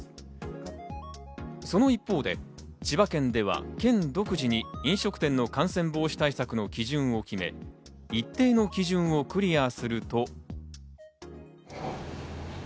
その一方で千葉県では県独自に飲食店の感染防止対策の基準を決め、一定の基準をクリアすると。